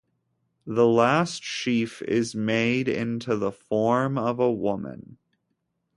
The last sheaf is made into the form of a woman.